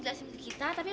udah sampai kali ini